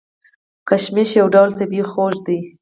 کشمش یو ډول طبیعي خوږ دی.